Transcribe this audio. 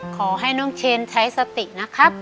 ขอให้น้องเชนใช้สตินะครับ